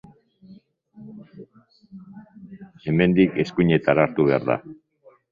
Hemendik, eskuinetara hartu behar da.